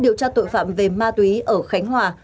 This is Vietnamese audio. điều tra tội phạm về ma túy ở khánh hòa